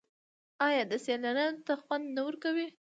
آیا دا سیلانیانو ته خوند نه ورکوي؟